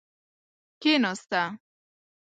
کیناسته.